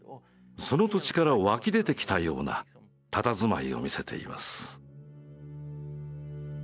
その土地から湧き出てきたようなたたずまいを見せています。